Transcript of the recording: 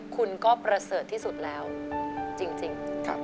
คุณก็ประเสริฐที่สุดแล้วจริง